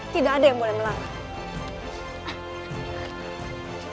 tidak ada yang boleh melarang